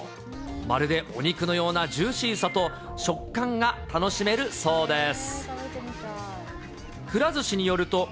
まるでお肉のようなジューシーさと、食感が楽しめるそうです。